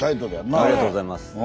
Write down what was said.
ありがとうございます。